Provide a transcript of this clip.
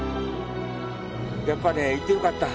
やっぱねいてよかった。